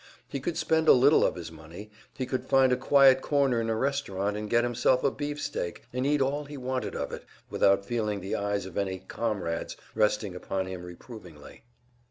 He could spend a little of his money; he could find a quiet corner in a restaurant and get himself a beefsteak, and eat all he wanted of it, without feeling the eyes of any "comrades" resting upon him reprovingly.